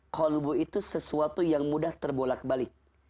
kolbu itu sesuatu yang mudah terbolak balik